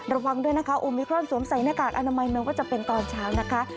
ระวังด้วยนะคะโอมิครอนสวมใส่หน้ากากอนามัยแม้ว่าจะเป็นตอนเช้านะคะ